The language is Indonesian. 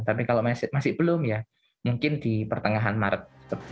tapi kalau masih belum ya mungkin di pertengahan maret